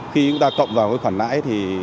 khi chúng ta cộng vào khoản lãi